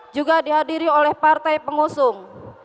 juga dihadiri oleh partai pengusung